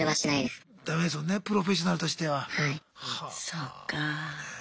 そっか。